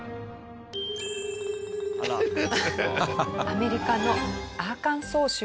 アメリカのアーカンソー州。